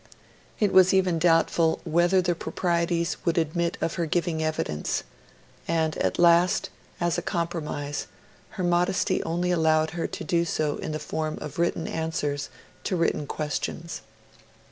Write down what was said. It was even doubtful whether the proprieties would admit of her giving evidence; and at last, as a compromise, her modesty only allowed her to do so in the form of written answers to written questions.